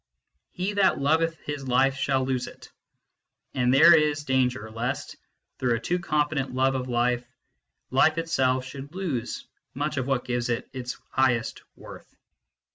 " He that loveth his life shall lose it "; and there is danger lest, through a too confident love of life, life itself should lose much of what gives it its highest worth.